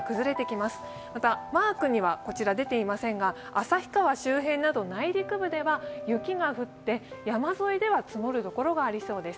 またマークには出ていませんが旭川周辺など内陸部では雪が降って山沿いでは積もるところがありそうです。